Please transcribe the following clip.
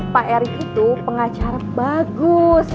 pak erick itu pengacara bagus